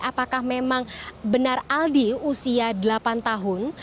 apakah memang benar aldi usia delapan tahun